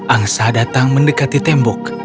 angsa datang mendekati tembok